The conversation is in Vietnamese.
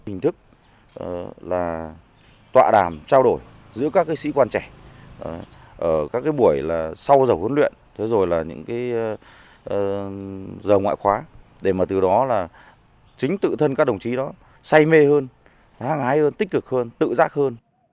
hình thức là tọa đàm trao đổi giữa các sĩ quan trẻ ở các buổi sau giờ huấn luyện giờ ngoại khóa để từ đó chính tự thân các đồng chí đó say mê hơn